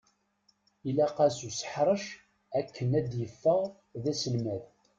Ilaq-as useḥṛec akken ad d-yeffeɣ d aselmad!